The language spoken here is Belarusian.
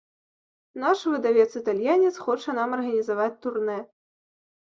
Наш выдавец-італьянец хоча нам арганізаваць турнэ.